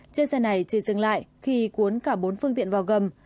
chiếc xe này chỉ dừng lại khi cuốn cả bốn phương tiện vào gầm